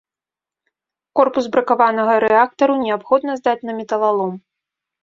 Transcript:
Корпус бракаванага рэактару неабходна здаць на металалом.